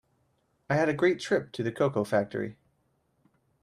I had a great trip to a cocoa factory.